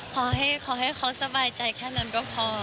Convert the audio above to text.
ขอให้เขาสบายใจแค่นั้นก็พอ